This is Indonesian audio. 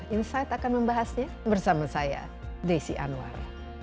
insight akan membahasnya bersama saya desi anwar